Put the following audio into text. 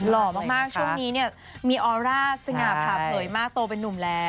ช่วงนี้มีออร่าสงาผ่าเผยมากโตเป็นหนุ่มแล้ว